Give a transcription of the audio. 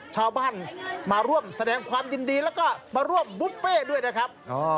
ชาวบ้านได้ร่วมบุฟเฟ่ด้วยนะครับ